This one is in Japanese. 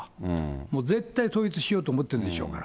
もう絶対統一しようと思ってるんでしょうから。